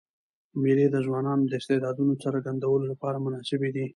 مېلې د ځوانانو د استعدادونو څرګندولو له پاره مناسبي دي.